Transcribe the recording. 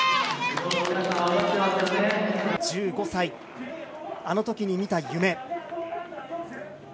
１５歳、あのときに見た夢。